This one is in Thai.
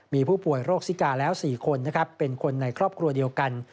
มีผู้ป่วยโรคซิกาแล้ว๔คนนะครับเป็นคนในครอบครัวเดียวกัน